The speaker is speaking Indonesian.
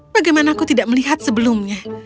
bagaimana aku tidak melihat sebelumnya